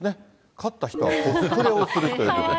勝った人はコスプレをするということで。